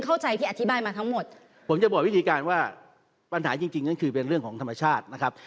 ก็จะบอกวิธีการว่าปัญหาจริงนั้นคือเรื่องของธรรมชาตินะครับ